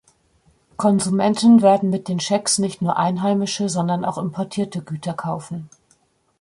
Konsumenten werden mit den Schecks nicht nur einheimische, sondern auch importierte Güter kaufen.